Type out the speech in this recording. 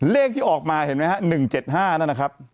เลขที่ออกมาเห็นไหมฮะ๑๗๕นั่นนะครับ